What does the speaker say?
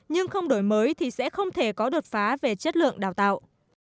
nhưng không đổi mới thì sẽ không thể có đột phá về chất lượng đào tạo